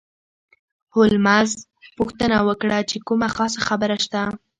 هولمز پوښتنه وکړه چې کومه خاصه خبره شته.